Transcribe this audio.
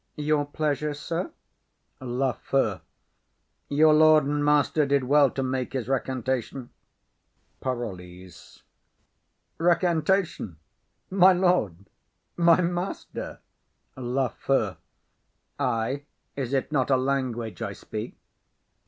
Your pleasure, sir. LAFEW. Your lord and master did well to make his recantation. PAROLLES. Recantation! My lord! My master! LAFEW. Ay. Is it not a language I speak?